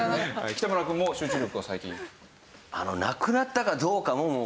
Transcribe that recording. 北村くんも集中力は最近。